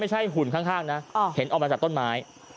หุ่นข้างนะเห็นออกมาจากต้นไม้